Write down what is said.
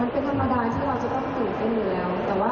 เป็นธรรมดาที่เราจะต้องตื่นเต้นอยู่แล้ว